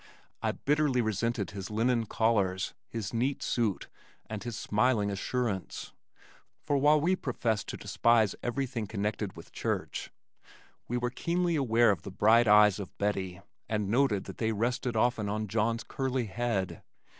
I bitterly resented his linen collars, his neat suit and his smiling assurance, for while we professed to despise everything connected with church, we were keenly aware of the bright eyes of Bettie and noted that they rested often on John's curly head.